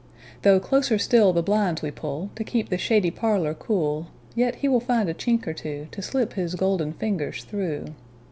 Though closer still the blinds we pullTo keep the shady parlour cool, Yet he will find a chink or twoTo slip his golden fingers through.